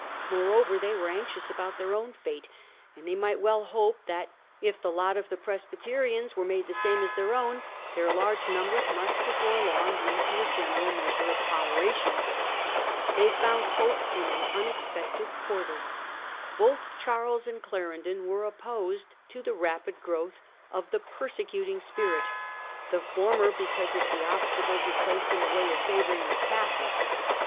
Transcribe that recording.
Moreover they were anxious about their own fate, and they might well hope that, if the lot of the Presbyterians were made the same as their own, their large numbers must before long lead to a general measure of toleration. They found hope in an unexpected quarter. Both Charles and Clarendon were opposed to the rapid growth of the persecuting spirit, the former because of the obstacles it placed in the way of favouring the Catholics, 1 66a.